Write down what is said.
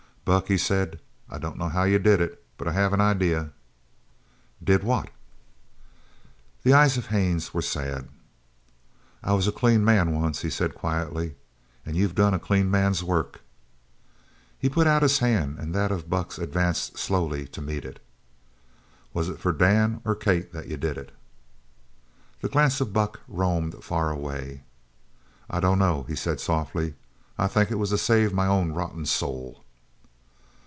"Buck," he said, "I don't know how you did it, but I have an idea " "Did what?" The eyes of Haines were sad. "I was a clean man, once," he said quietly, "and you've done a clean man's work!" He put out his hand and that of Buck's advanced slowly to meet it. "Was it for Dan or Kate that you did it?" The glance of Buck roamed far away. "I dunno," he said softly. "I think it was to save my own rotten soul!"